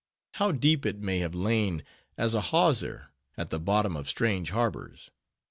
How deep it may have lain, as a hawser, at the bottom of strange harbors?